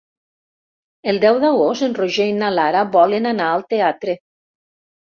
El deu d'agost en Roger i na Lara volen anar al teatre.